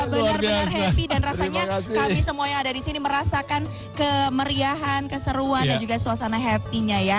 benar benar happy dan rasanya kami semua yang ada di sini merasakan kemeriahan keseruan dan juga suasana happy nya ya